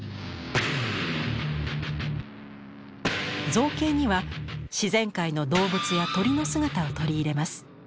造形には自然界の動物や鳥の姿を取り入れます。